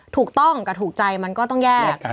ถูกต้องกับถูกใจมันก็ต้องแยก